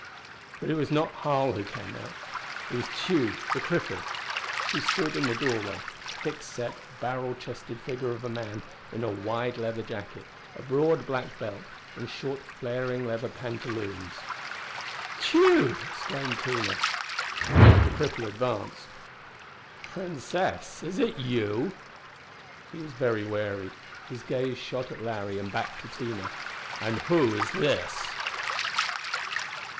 But it was not Harl who came out. It was Tugh, the cripple. He stood in the doorway, a thick set, barrel chested figure of a man in a wide leather jacket, a broad black belt and short flaring leather pantaloons. "Tugh!" exclaimed Tina. The cripple advanced. "Princess, is it you?" He was very wary. His gaze shot at Larry and back to Tina. "And who is this?"